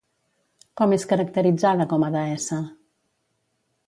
Com és caracteritzada com a deessa?